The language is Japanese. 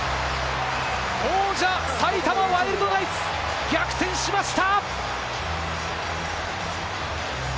埼玉ワイルドナイツ、逆転しました！